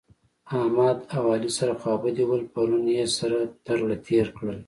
احمد او علي سره خوابدي ول؛ پرون يې سره تر له تېر کړل